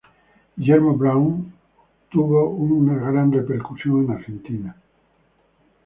Guillermo Brown la cual tuvo una gran repercusión en Argentina.